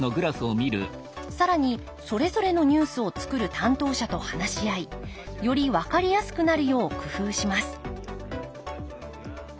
更にそれぞれのニュースを作る担当者と話し合いより分かりやすくなるよう工夫します